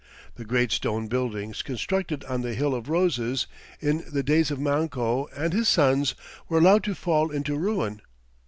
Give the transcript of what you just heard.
The great stone buildings constructed on the "Hill of Roses" in the days of Manco and his sons were allowed to fall into ruin.